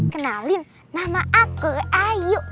kenalin nama aku ayu